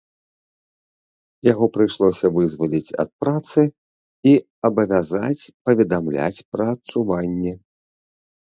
Яго прыйшлося вызваліць ад працы і абавязаць паведамляць пра адчуванні.